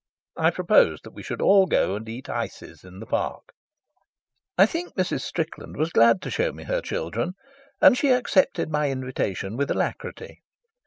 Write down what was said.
I proposed that we should all go and eat ices in the park. I think Mrs. Strickland was glad to show me her children, and she accepted my invitation with alacrity.